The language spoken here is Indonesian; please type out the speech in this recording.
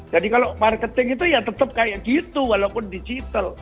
jadi kalau marketing itu ya tetap kayak gitu walaupun digital